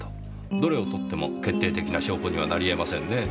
どれをとっても決定的な証拠にはなりえませんねぇ。